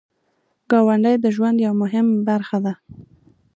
ګاونډی د ژوند یو مهم برخه ده